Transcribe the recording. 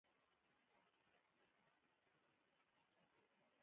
یوازې «بلاکیف» کلمه زیاتوله.